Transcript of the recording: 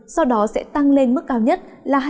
sau đó sẽ tăng lên mức cao nhất là hai mươi hai mươi ba độ